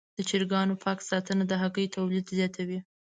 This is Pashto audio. د چرګانو پاک ساتنه د هګیو تولید زیاتوي.